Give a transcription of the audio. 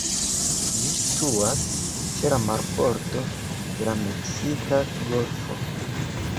Ĝi situas ĉe la marbordo de la Meksika Golfo.